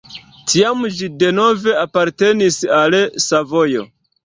Tiam ĝi denove apartenis al Savojo.